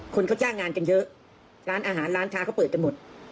คนเขาจ้างงานกันเยอะร้านอาหารร้านค้าเขาเปิดกันหมด